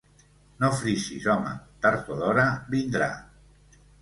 No frisis, home, tard o d'hora vindrà.